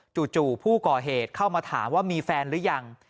จู่ผู้ก่อเหตุเข้ามาถามว่ามีแฟนหรือยัง